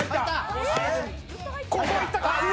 ここはいったか？